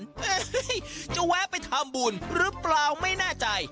เฮ้ยจะแวะไปทำบุญหรือเปล่าไม่แน่ใจ